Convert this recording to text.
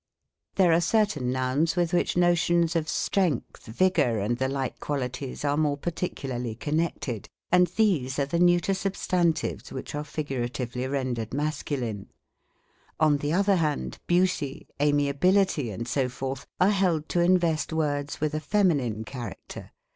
ETYMOLOGY. 31 There are certain nouns with which notions of strength, vigor, and the lilve qualities, are more par ticularly connected ; and these are the neuter substan tives which are figuratively rendered masculine. On the other hand, beauty, amiability, and so forth, are held to invest words with a feminine character.